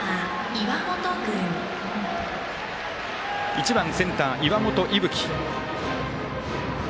１番、センター、岩本聖冬生。